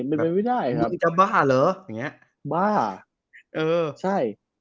เป็นไปไม่ได้ครับจะบ้าเหรออย่างเงี้ยบ้าเออใช่